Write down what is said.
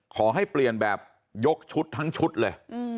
ขอให้เปลี่ยนแบบยกชุดทั้งชุดเลย